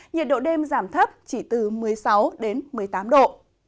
nhiệt độ đêm giảm thấp chỉ từ một mươi sáu đến một mươi tám độ